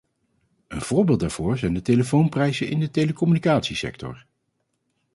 Een voorbeeld daarvoor zijn de telefoonprijzen in de telecommunicatiesector.